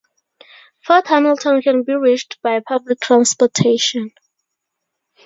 Fort Hamilton can be reached by public transportation.